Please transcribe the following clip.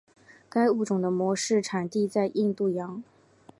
该物种的模式产地在印度洋。